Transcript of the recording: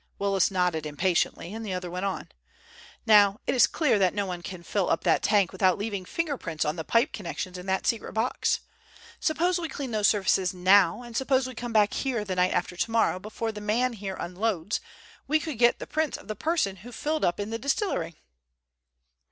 Willis nodded impatiently and the other went on: "Now, it is clear that no one can fill up that tank without leaving finger prints on the pipe connections in that secret box. Suppose we clean those surfaces now, and suppose we come back here the night after tomorrow, before the man here unloads, we could get the prints of the person who filled up in the distillery."